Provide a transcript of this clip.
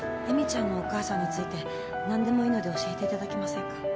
映美ちゃんのお母さんについて何でもいいので教えていただけませんか？